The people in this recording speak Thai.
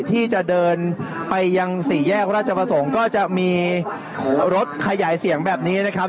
ที่จะเดินไปยังสี่แยกราชประสงค์ก็จะมีรถขยายเสียงแบบนี้นะครับ